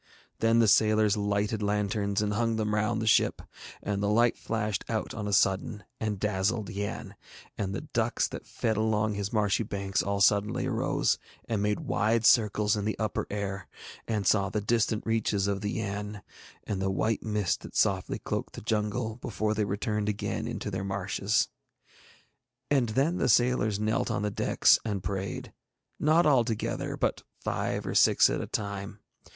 Then the sailors lighted lanterns and hung them round the ship, and the light flashed out on a sudden and dazzled Yann, and the ducks that fed along his marshy banks all suddenly arose, and made wide circles in the upper air, and saw the distant reaches of the Yann and the white mist that softly cloaked the jungle, before they returned again into their marshes. And then the sailors knelt on the decks and prayed, not all together, but five or six at a time.